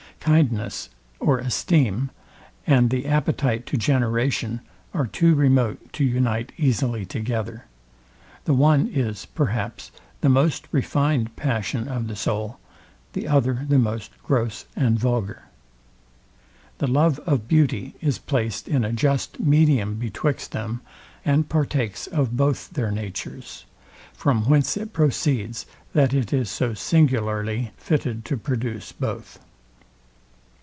Kindness or esteem, and the appetite to generation, are too remote to unite easily together. The one is, perhaps, the most refined passion of the soul; the other the most gross and vulgar. The love of beauty is placed in a just medium betwixt them, and partakes of both their natures: From whence it proceeds, that it is so singularly fitted to produce both.